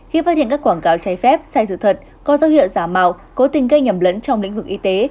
khi phát hiện các quảng cáo trái phép sai sự thật có dấu hiệu giả mạo cố tình gây nhầm lẫn trong lĩnh vực y tế